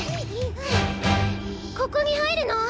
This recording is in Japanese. ここにはいるの？